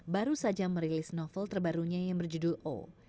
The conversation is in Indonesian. baru saja merilis novel terbarunya yang berjudul o